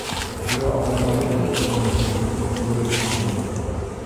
Күрә алмайым ул тоҡомдо, бүре тоҡомон!